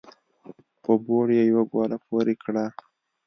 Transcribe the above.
په بوړ يې يوه ګوله پورې کړه